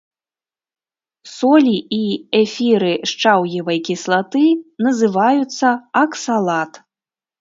Солі і эфіры шчаўевай кіслаты называюцца аксалат.